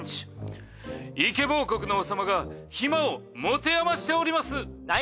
『イケボ王国の王様がヒマをもてあましておりますっ！！』。